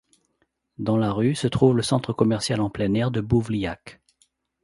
Dans la rue se trouve le centre commercial en plein air de Buvljak.